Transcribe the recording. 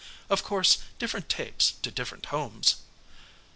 Of course, different tapes to different homes."